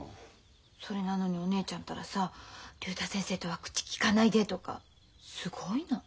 それなのにお姉ちゃんったらさ竜太先生とは口きかないでとかすごいの。